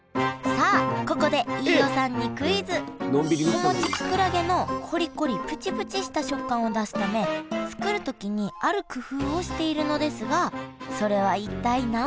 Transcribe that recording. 子持ちきくらげのコリコリプチプチした食感を出すため作る時にある工夫をしているのですがそれは一体何でしょう？